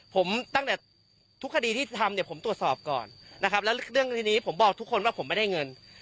ผมตั้งแต่ทุกคดีที่ทำเนี่ยผมตรวจสอบก่อนนะครับแล้วเรื่องทีนี้ผมบอกทุกคนว่าผมไม่ได้เงิน